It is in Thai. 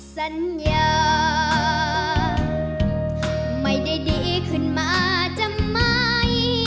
สัญญาไม่ได้ดีขึ้นมาทำไม